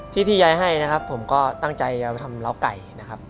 ที่ที่ยายให้นะครับผมก็ตั้งใจจะไปทำเล้าไก่นะครับ